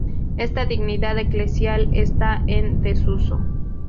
Esta dignidad eclesial está en desuso.